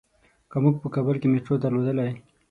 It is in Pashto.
که مونږ په کابل کې مېټرو درلودلای.